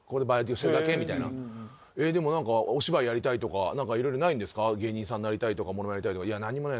「えでもお芝居やりたいとか何かいろいろないんですか芸人さんになりたいとかモノマネやりたいとか」。